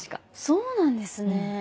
そうなんですね。